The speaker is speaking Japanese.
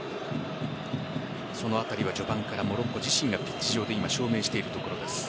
そのあたりは序盤からモロッコ自身がピッチ上で証明しているところです。